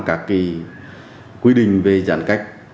các quy định về giãn cách